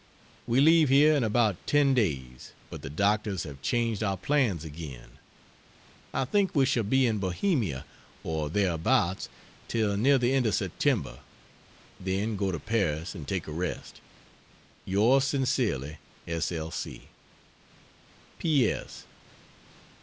We leave here in about ten days, but the doctors have changed our plans again. I think we shall be in Bohemia or thereabouts till near the end of September, then go to Paris and take a rest. Yours Sincerely S. L.